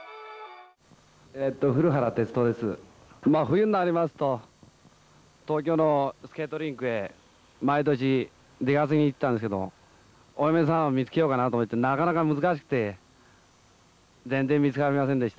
冬になりますと東京のスケートリンクへ毎年出稼ぎに行ってたんですけどお嫁さんを見つけようかなと思ったけどなかなか難しくて全然見つかりませんでした。